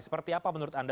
seperti apa menurut anda